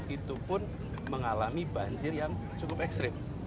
itu pun mengalami banjir yang cukup ekstrim